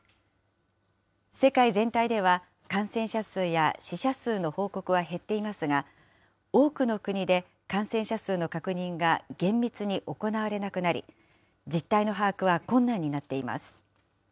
世界全体では、感染者数や死者数の報告は減っていますが、多くの国で感染者数の確認が厳密に行われなくなり、実態の把握は困難になっています。